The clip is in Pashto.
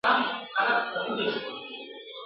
بزګر وویل که سترګي یې بینا وي !.